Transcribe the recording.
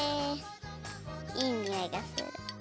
いいにおいがする。